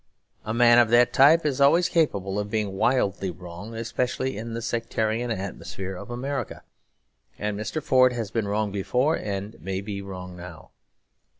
A man of that type is always capable of being wildly wrong, especially in the sectarian atmosphere of America; and Mr. Ford has been wrong before and may be wrong now.